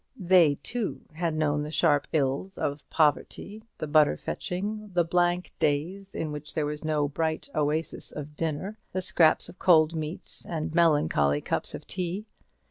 They too had known the sharp ills of poverty, the butter fetching, the blank days in which there was no bright oasis of dinner, the scraps of cold meat and melancholy cups of tea.